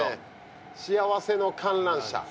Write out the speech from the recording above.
幸せの観覧車。